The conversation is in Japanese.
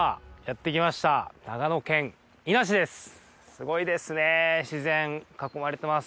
すごいですね自然囲まれてます。